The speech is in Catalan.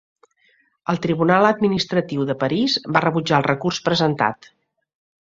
El Tribunal Administratiu de París va rebutjar el recurs presentat.